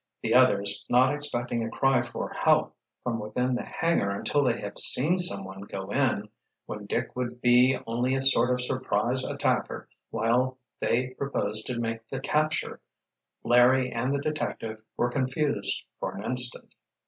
The others, not expecting a cry for help from within the hangar until they had seen some one go in, when Dick would be only a sort of surprise attacker while they proposed to make the capture, Larry and the detective were confused for an instant.